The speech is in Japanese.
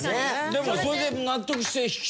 でもそれで納得して。